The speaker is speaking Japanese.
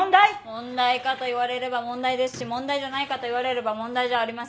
問題かと言われれば問題ですし問題じゃないかと言われれば問題じゃありません。